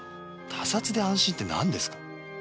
他殺で安心ってなんですか？